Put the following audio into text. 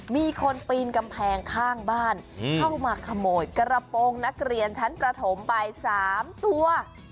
มีคนปีนกำแพงข้างบ้านเข้ามาขโมยกระโปรงนักเรียนชั้นประถมไป๓ตัว